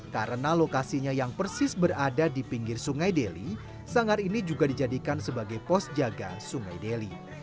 karena lokasinya yang persis berada di pinggir sungai deli sanggar ini juga dijadikan sebagai pos jaga sungai deli